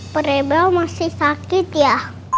peribau masih sakit ya